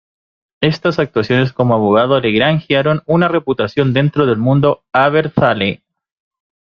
Estas actuaciones como abogado le granjearon una reputación dentro del mundo "abertzale".